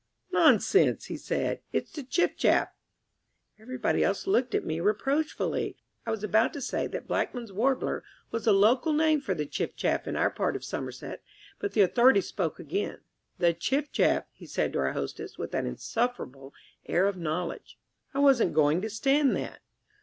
"Nonsense," he said; "it's the Chiff chaff." Everybody else looked at me reproachfully. I was about to say that "Blackman's Warbler" was the local name for the Chiff chaff in our part of Somerset, when the Authority spoke again. "The Chiff chaff," he said to our hostess with an insufferable air of knowledge. I wasn't going to stand that.